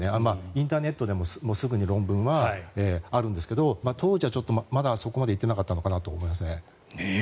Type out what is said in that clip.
インターネットでもすぐに論文はあるんですけど当時はまだそこまで行っていなかったのかなと思いますね。